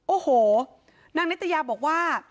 โอ้โหนางนิตยาบอกว่า